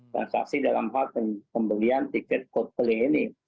transaksi dalam hal pembelian tiket coldplay ini